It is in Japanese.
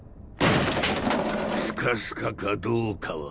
スカスカかどうかは。